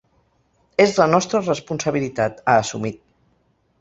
“És la nostra responsabilitat”, ha assumit.